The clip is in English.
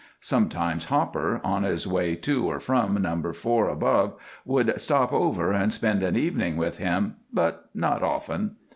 Sometimes Hopper, on his way to or from Number Four Above, would stop over and spend an evening with him, but not often.